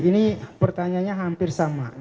ini pertanyaannya hampir selesai